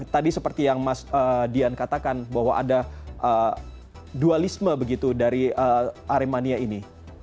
tadi seperti yang mas dian katakan bahwa ada dualisme begitu dari aremania ini